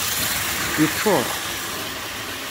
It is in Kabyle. Yeččur.